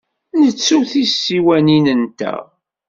Nettu tisiwanin-nteɣ.